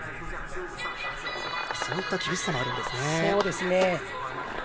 そういった厳しさもあるんですね。